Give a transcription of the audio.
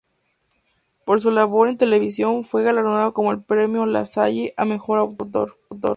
Por su labor en televisión fue galardonado con el premio "Lasalle" al mejor autor.